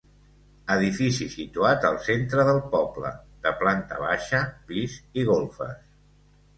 Edifici situat al centre del poble, de planta baixa, pis i golfes.